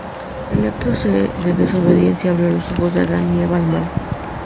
El acto de desobediencia abrió los ojos de Adán y Eva al mal.